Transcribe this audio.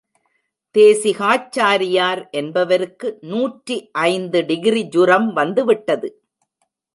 தேசிகாச்சாரியார் என்பவருக்கு நூற்றி ஐந்து டிகிரி ஜுரம் வந்துவிட்டது.